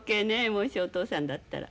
もしお父さんだったら。